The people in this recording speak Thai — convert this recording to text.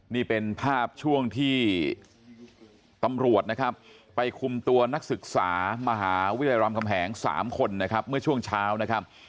นี่เป็นภาพช่วงที่ตำรวจนะครับไปคุมตัวนักศึกษามหาวิทยาลัยรามคำแหง๓คนนะครับเมื่อช่วงเช้านะครับ